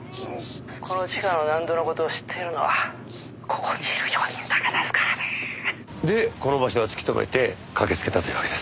「この地下の納戸の事を知っているのはここにいる４人だけですからね」でこの場所を突き止めて駆けつけたというわけです。